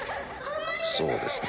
そうですね？